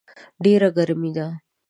ډېره ګرمي ده